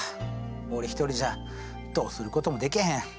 俺一人じゃどうすることもでけへん。